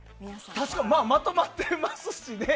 確かにまとまってますしね。